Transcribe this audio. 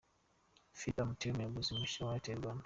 Philip Amoateng umuyobozi mushya wa Airtel Rwanda.